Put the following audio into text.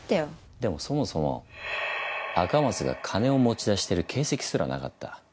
でもそもそも赤松が金を持ち出してる形跡すらなかった。